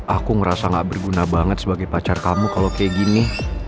aku ngerasa gak berguna banget sebagai pacar kamu kalau kayak gini